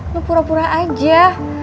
lo pura pura aja